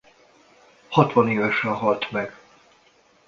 Hatvan évesen halt meg.